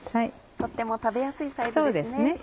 とても食べやすいサイズですね。